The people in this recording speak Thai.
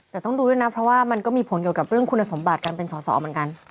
แต่ต้องดูด้วยนะเพราะว่ามันก็มีผลเกี่ยวกับเรื่องคุณสมบัติการเป็นสอสอเหมือนกัน